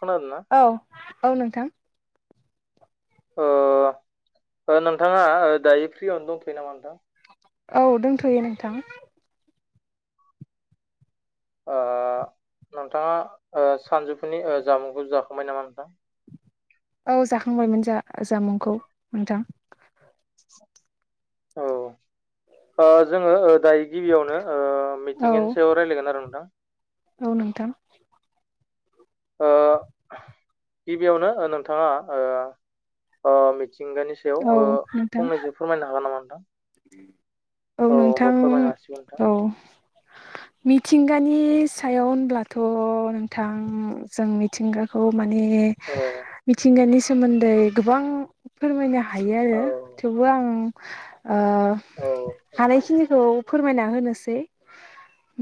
खोनादोंना औ औ नोंथां ओ ओ नोंथाङा दायो फ्रियावनो दंफैयो नामा नोंथां औ दोंथ'यो नोंथां ओ नोंथाङा ओ सानजुफुनि ओ जामुंखौ जाखांबाय नामा नोंथां। औ जाखांबायमोन जा जामुंखौ नोंथां। औ ओ जोङो ओ दाय गिबियावनो ओ औ मिथिंगानि सायाव रायलायगोन आरो नोंथां औ नोंथां ओ गिबियावनो ओ नोंथाङा ओ ओ मि थिंगानि औ सायाव ओ नोंथां फंनैसो फोरमायनो हागोन नामा नोंथां औ होमबा नोंथां फोरमायनो हासिगोन नोंथां औ मिथिंगानि सायाव होनब्लाथ' नोंथां जों मिथिंगाखौ मा ने औ मिथिंगानि सोमोन्दै गोबां फोरमायनो हायो औ आरो थेवबो आं ओ औ हानायखिनिखौ फोरमायना होनोसै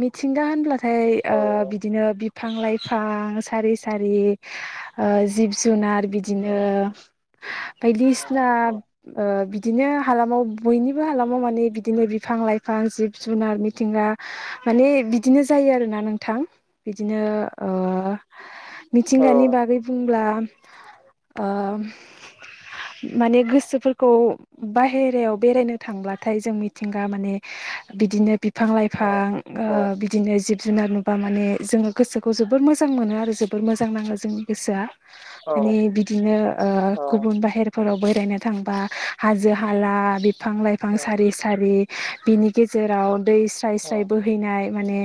मिथिंगा होनब्ला फाय औ ओ बिदिनो बिफां लाइ फां सारि सारि ओ जिब जुनार औ बिदिनो औ बायदिसिना औ ओ बिदिनो हालामाव बयनिबो हालामाव माने बिदिनो बिफां लाइफां जिब जुनार मिथिंगा माने बिदिनो जा यो आरोना नोंथां बिदिनो ओ औ मिथिंगानि बागै बुंब्ला ओ माने गोसोफोरखौ बाहेरायाव बेरायनो थांब्लाथाय जों मिथिंगा माने बिदिनो बि फां लाइफां औ ओ बिदिनो जिब जुनार नुबा माने जोङो गोसोखौ जोबोर मोजां मोनो आरो जोबोर मोजां नाङो जोंनि गोसोआ माने बिदिनो ओ गुबुन बाहेरफोरावबो [unintelligible] थांबा हाजो हाला बिफां लाइफां सारि सारि बिनि गेजेराव दै स्राय औ स्राय बोहैनाय माने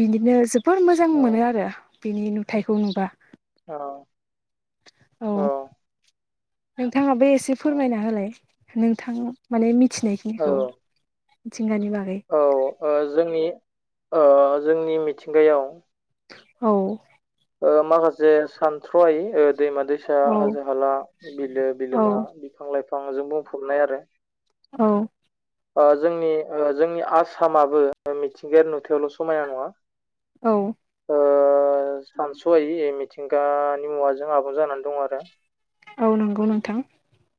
बिदिनो जो बोर मोजां मोनो आरो बिनि नुथायखौ नुबा अ औ अ नोंथाङाबो एसे फोरमायना होलाय नोंथां माने औ मिथिनायखिनिखौ मिथिंगानि बागै अ ओ जोंनि ओ जोंनि मिथिंगायाव औ ओ माखासे सानथ्र'यै ओ दैमा दैसा, औ हाजो हाला, बिलो औ बिलोमा, बिफां लाइफांजों बुंफबनाय आरो औ ओ जोंनि ओ जोंनि आसामाबो मिथिंगायारि नुथायावल' समायना नङा औ ओ सानस'यै मिथिंगानि मुवाजों आबुं जानानै दं आरो औ नंगौ नोंथां।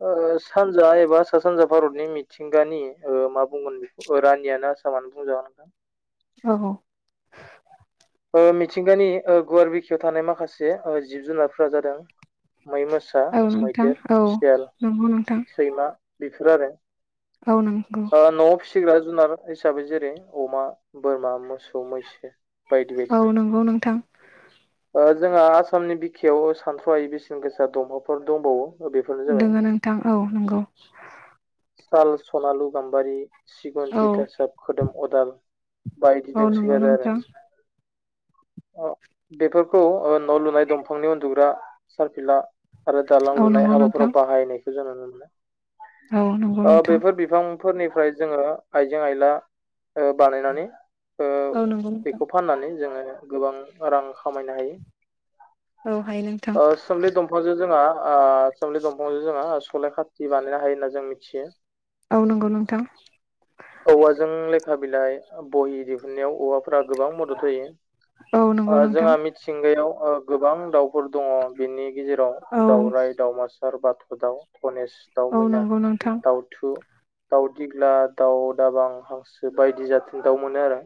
ओ सानजा एबा सा सानजा भारतनि मिथिंगानि ओ मा बुंगोन बेखौ रानियानो आसामा [unintelligible] औ ओ मिथिंगानि ओ गुवार बिखायाव थानाय माखासे ओ जिब-जुनारफोरा जादों। मै, मोसा, औ नोंथां मैदेर, औ सियाल, नंगौ नोंथां सैमा, बेफोर आरो औ नंगौ ओ न'आव फिसिग्रा जुनार हिसाबै जेरै अमा, बोरमा, मोसौ, मैसो, बायदि बायदि औ नंगौ नोंथां ओ जोंहा आसामनि बिखायाव सानथ्र'आयै बेसेन गोसा दंफाफोर दंबावो बेफोरनो दोङ जाबाय नोंथां औ नंगौ साल, सनालु, गाम्बारि, सिगुन, औ थिथासाब, खोदोम, अदाल, औ नंगौ बायदिदोंसोगारो नोंथां आरो बेफोरखौ ओ न' लुनाय दंफांनि उन्दुग्रा सारफिला आरो दालां औ लुनाय नंगौ नोंथां हाबाफोराव बाहायनायखौ जों नुनो मोनो। औ नंगौ नोंथां फोरनिफ्राय जोङो आइजें आइला ओ बानायनानै ओ औ नंगौ नोंथां बेखौ फाननानै जोङो गोबां रां खामायनो हायो औ हायो नोंथां ओ सोमलि दंफांजों जोंहा ओ सोमलि दंफांजो जोंहा सलाय खाथि बानायनो हायो होनना जों मिथियो औ नंगौ नोंथां औवाजों बिलाइ बहि दिहुनन्नायाव औवाफोरा गोबां मदद होयो। औ नंगौ ओ नोंथां जोंहा मिथिंगायाव ओ गोबां दाउ फोर दङ बेनि औ गेजेराव दाउराय, दाउमासार, बाथ' दाउ गनेश, दाउ औ मैना, नंगौ नोंथां दाउथु दाउ दिग्ला, दाउ दाबां, हांसो, बायदि जाथिनि दाउ मोनो आरो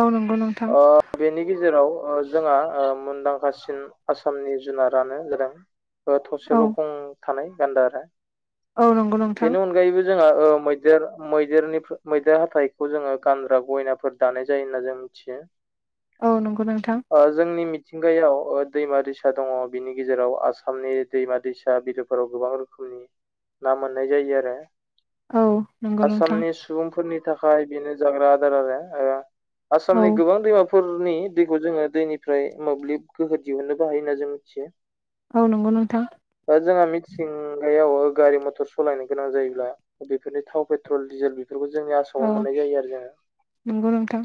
औ नंगौ नोंथां ओ बेनि गेजेराव ओ जोंहा ओ मुंदांखा सिन आसामनि जुनारानो जादों ओ औ थसेल' गं थानाय गान्दा आरो औ नंगौ नोंथां बेनि अनगायैबो जोंहा ओ मैदेर मैदेरनिफ्राय मैदेर हाथाइखौ जोङो गानग्रा गयनाफोर दानाय जायो होनना जों मिथियो औ नंगौ नोंथां ओ जोंनि मिथिंगायाव ओ दैमा-दैसा दङ बिनि गेजेराव आसामनि दैमा-दैसा बिलोफोराव गोबां रोखोमनि [inaudible] ना मोननाय जायो आरो औ नंगौ नोंथां आसामनि सुबुंफोरनि थाखाय बेनो जाग्रा आदार आरो औ आसामनि गोबां दैमाफोरनि दैखौ जोङो दैनि फ्राय मोब्लिब गोहो दिहुननोबो हायो होन्ना जों मिथियो। औ नंगौ नोंथां ओ जों मिथिंगायाव ओ गारि मथर सालायनो गोनां जायोब्ला बेफोरनि थाव, पेट्रल, डिजेल बेफोरखौ जोंनि औ आसामाव मोननाय जायो आरो जोङो नंगौ नोंथां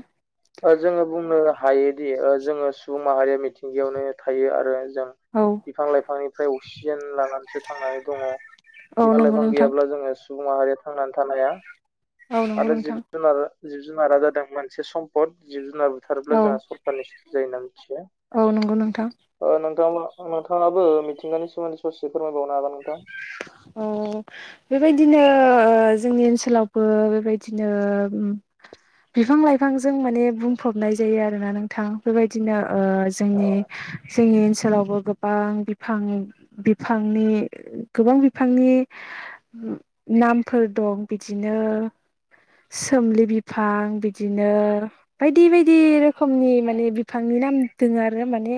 ओ जोङो बुंनो हायोदि ओ जोङो सुबुं माहारिया मिथिंगायावनो थायो आरो जों औ बिफां-लाइफांनिफ्राय अक्सिजेन लानानैसो थांनानै दङ। औ नंगौ बिफां-लाइफां नोंथां गैयाब्ला जोङो सुबुं माहारिया थांनानै थानाया औ नंगौ आरो नोंथां जिब-जुनार जिब-जुनारा जादों मोनसे सम जिब-जुनार बुथारोब्ला औ जोंहा सरखारनि सुत जायो होनना मिथिया औ नंगौ नोंथां नों-नोंथाङाबो मिथिंगानि सोमोनदै ससे फोरमाय अ बेबाय दिनो जोंनि ओनसोलावबो बेबायदिनो बिफां-लाइफांजों माने बुंफबनाय जायो आरोना नोंथां बेबायदिनो ओ औ जोंनि जोंनि ओनसोलावबो गोबां बिफां-बिफांनि गोबां बिफांनि नामफोर दं बिदिनो सोमलि बिफां बिदिनो बायदि बायदि रोखोमनि माने बिफांनि नाम दङ आरो माने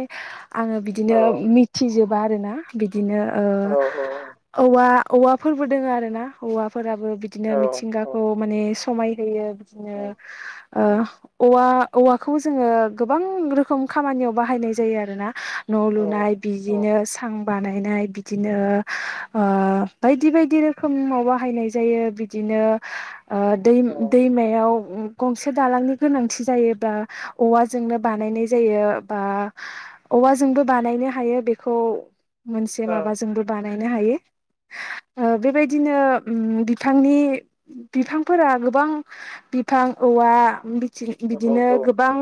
आङो औ बिदिनो मिथिजोबा आरोना बिदिनो औ औवा औवाफोरबो दोङो आरो ना औवाफोराबो बिदिनो औ औ मिथिंगाखौ माने समाय होयो बिदिनो औ ओ औवा औवाखौ जोङो गोबां रोखोम खामानियाव बाहायनाय जायो आरोना न' औ लुनाय औ बिदिनो सां बानायनाय बिदि बिदिनो ओ बायदि बायदि रोखोम बाहायनाय जायो। बिदिनो ओ दै दै दैमायाव गंसे दालांनि गोनांथि जायोबा औवाजोंनो बानायनाय जायो बा। औवाजोंबो बानायनो हायो बेखौ मोनसे माबाजोंबो बानायनो हायो औ बेबायदिनो बिफांनि बिफांफोरा गोबां बिफां औवा बिदिनो औ गोबां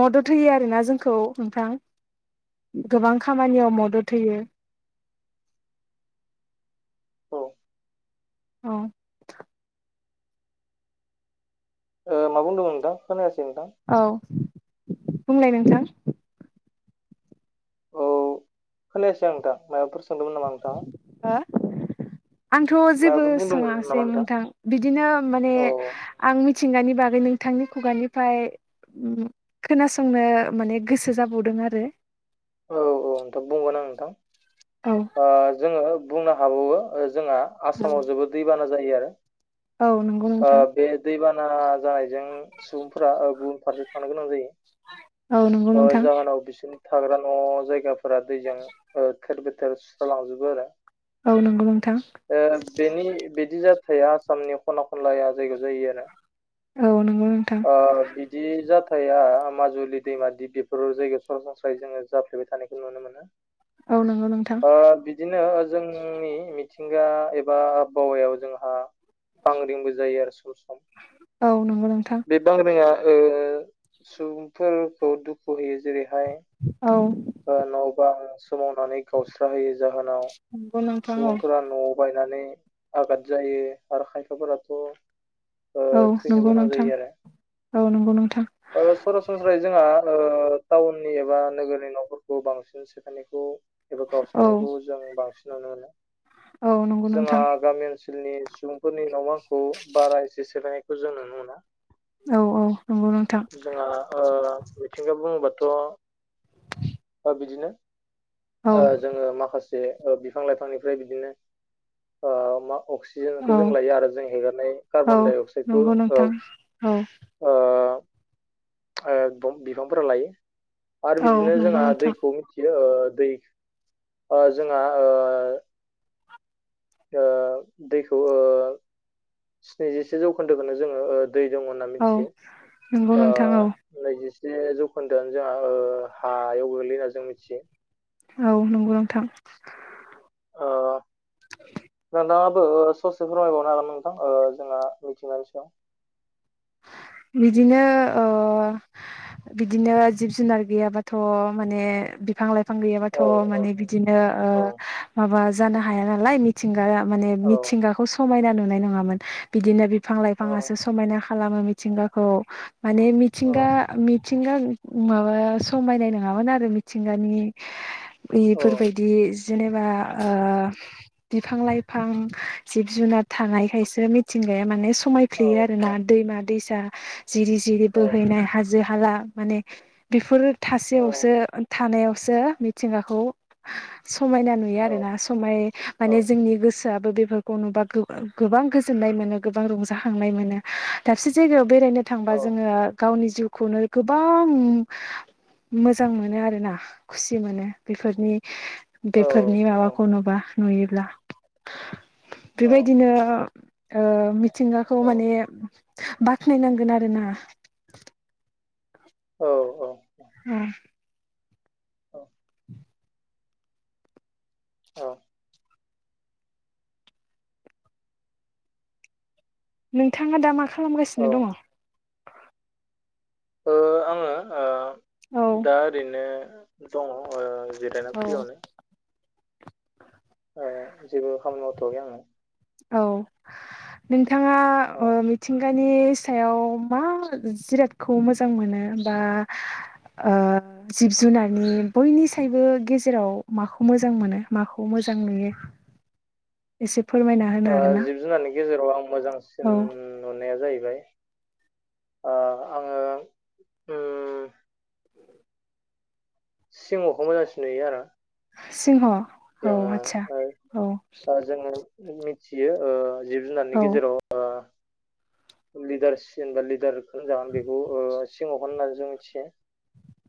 मदद होयो आरोना जों खौ नोंथां गोबां खामानियाव मदद होयो। औ औ ओ मा बुंदोंमोन नोंथां खोनायासै नोंथां औ बुंलाय नोंथां। औ खोनायासै आं नोंथां माबाफोर सोंदोंमोन नामा नोंथाङा? हा आंथ' जेबो माबाफोर बुंदोंमोन सोङासै नामा नोंथां बिदिनो माने औ आं मिथिंगानि बागै नोंथांनि खुगानिफ्राय खोनासंनो माने गोसो जाबावदों आरो। औ औ नोंथ' बुंगोन आं नोंथां औ जोङो बुंनो हाबावो जोंहा आसामाव जोबोद दैबाना जायो आरो। औ नंगौ ओ नोंथां। बे दैबाना जानायजों सुबुंफोरा गुबुन फारसे थांनो गोनां औ नंगौ जायो। नोंथां जाहोनाव बिसिनि थाग्रा न' जायगाफोरा दैजों थोर बोथ हटेल सुस्र' लांजोबो आरो औ नंगौ नोंथां बेनि बिदि फिथाया आसामनि खना खनलाया जायगायाव जायो आरो। औ नंगौ नोंथां ओ बिदि जाथ फिथाया माजुलि दैमा दि बेफोर जायगायाव सरासनस्राय जोङो जाफ्लेबाय थानायखौ नुनो मोनो। औ नंगौ नोंथां ओ बिदिनो जोंनि मिथि मिथिंगा एबा आबहावायाव जोंहा बांग्रिंबो जायो आरो सम सम औ नंगौ नोंथां बे बांग्रिंआ ओ सुबुंफोरखौ दुखु होयो जेरैहाय औ नंङाबा। सोमावनानै गावस्रा होयो जाहोनाव नंगौ नोंथां औ सुबुंफोरा न'आव बायनानै आघाद जायो आरो खायफाफोराथ' ओ औ थैनो नंगौ गोनां नोंथां जायो औ नंगौ नोंथां आरो सरासनस्राय जोंहा टाउननि एबा नोगोरनि न'फोरखौ बांसिन सेफायनायखौ। एबा औ गावसारनायखौ जों बांसिन नुनो मोनो औ नंगौ जोंहा नोंथां गामि ओनसोलनि। सुबुंफोरनि न' बांखौ बारा एसे सोलायनायखौ जों नुनो मोना। औ औ नंगौ नोंथां जोंहा मिथिंगा बुङोबाथ'। बिदिनो औ जोङो माखासे। जे बिफां लाइफांनिफ्राय बिदिनो ओ मा। अक्सिजेनखौ औ जों लायो आरो जों हेगारनाय औ कार्बन डाइ अक्साइदखौ नंगौ औ। नोंथां [inaudible] बिफांफोरा लायो आरो औ बिदिनो जोंहा नंगौ नोंथां दैखौ मिथियो। दै जोंहा ओ। दैखौ स्निजिसे जौखोन्दोखौनो जोङो। दै दं होनना औ मिथियो नंगौ नोंथां औ नैजि। जसे जौखोन्दोआ जोंहा हायाव गोग्लैयो होनना जों मिथियो। औ नंगौ नोंथां। ओ [inaudible] नोंथाङाबो ससे फोरमायबावनो हागोन नोंथां जोंना मिथिंगानि सायाव। बिदिनो। बिदिनो जिब जुनार गैयाबाथ' माने बिफां लाइफां। बिफां गैयाबाथ' औ औ माने बिदिनो औ माबा जानो हाया नालाय मिथिंगाया। माने मिथिंगाखौ समायना नुनाय नङामोन बिदिनो बिफां औ लाइफाङासो समायना। खालामो मिथिंगाखौ माने औ मिथिंगा मिथिंगा। माबा समायनाय नङामोन आरो मिथिंगानि औ बेफोरबायदि जेनेबा। बिफां लाइफां जिब जुनार थानायखायसो मिथिगा माने स औ समायफ्लेयो आरोना। दैमा दैसा जिरि जिरि औ बोहैनाय हाजो हाला माने बेफोरो । थासेयावसो थानायावसो मिथिंगाखौ। समायना नुयो औ आरोना समाय औ माने जोंनि गोसो। गोसोयाबो बेफोरखौ नुबा गोबां गोजोननाय मोनो गोबां रंजाखांनाय मोनो। दाबसे जायगायाव बेरायनो थांबा औ जोङो गावनि जिउखौनो गोबां। मोजां मोनो आरो ना खुसि मोनो बेफोरनि। बेफोरनि औ माबाखौ नुबा नुयोब्ला। बेबायदिनो मिथिंगाखौ माने। बाख्नायनांगोन आरोना । औ औ। औ। औ। नोंथाङा दा मा औ खालामगासिनो दङ' आङो औ दा ओरैनो दङ' जिरायना फ्रियावनो जेबो खामानि मावथ'वाखै आङो। औ नोंथाङा औ मिथिंगा । नि सायाव मा जिरादखौ मोजां मोनो बा। जिब जुनारनि बयनिसायबो गेजेराव माखौ मोजां मोनो माखौ मोजां नुयो। [inaudible] एसे। फोरमायना होनो हागोन ना जिब जुनारनि गेजेराव आं मोजांसिन औ नुनाया जायो। आङो। सिंहखौ मोजांसिन नुयो आरो। सिंह। औ आदसा औ जोङो जोङो। फिसियो जिब जुनारनि औ गेजेराव। [unintelligible] लिदारसिनबा लिदारखौ जागोन बेखौ सिहखौ होननानै जों मिथियो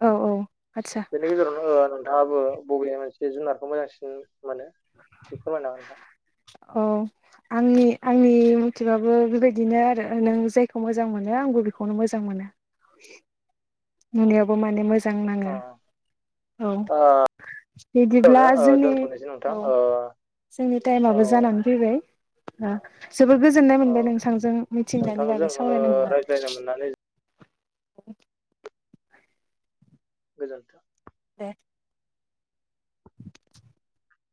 औ औ । बेनि गेजेरावनो नोंथाङाबो बबे मोनसे जुनारखौ मोजांसिन मोनो फोरमायना हो नोंथां। औ आंनि आंनि मथेबाबो बेबायदिनो आरो नों जायखौ मोजां मोनो आंबो बेखौनो मोजां मोनो नुनायावबो माने मोजां नाङो अ औ। ओ बिदिब्ला यावनो ओ जोंनि दोनथ'नोसै नोंथां औ ओ जोंनि औ टाइमाबो जानानै फैबाय ओ जोबोर गोजोननाय औ मोनबाय नोंथांजों मिथिंगानि बागै नोंथांजों ओ सावरायनो मोननानै रायज्लायनो [inaudible] गोजोनथों दे [inaudible]